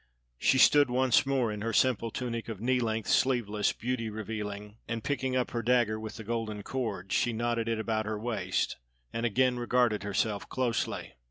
She stood once more in her simple tunic of knee length, sleeveless, beauty revealing; and picking up her dagger with the gold cord she knotted it about her waist and again regarded herself closely.